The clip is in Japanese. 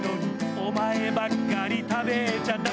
お前ばっかり食べちゃダメ